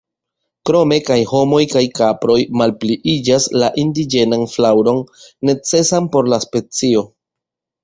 Krome kaj homoj kaj kaproj malpliiĝas la indiĝenan flaŭron necesan por la specio.